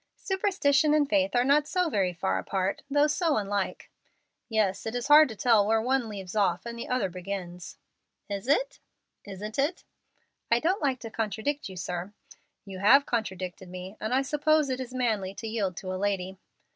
"Superstition and faith are not so very far apart, though so unlike." "Yes, it is hard to tell where one leaves off and the other begins." "Is it?" "Isn't it?" "I don't like to contradict you, sir." "You have contradicted me, and I suppose it is manly to yield to a lady.'"